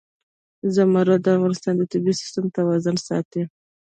زمرد د افغانستان د طبعي سیسټم توازن ساتي.